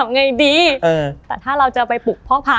ทำไงดีแต่ถ้าเราจะไปปลูกพ่อพร่ำ